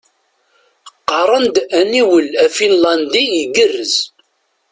Qqaren-d aniwel afinlandi igerrez.